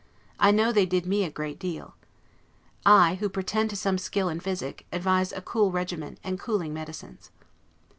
I know they did me a great deal. I, who pretend to some skill in physic, advise a cool regimen, and cooling medicines.